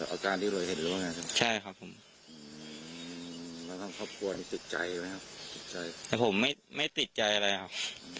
อาการที่เราเห็นหรือเปล่าไงครับใช่ครับผมอืมแต่ผมไม่ไม่ติดใจอะไรครับ